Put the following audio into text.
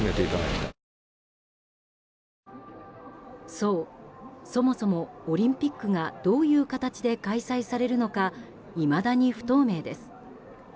そう、そもそもオリンピックがどういう形で開催されるのかいまだに不透明です。